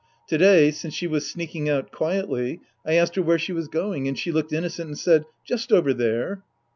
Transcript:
To day, since she was sneaking out quietly, I asked her where she was going, and she looked innocent and said, " Just over there."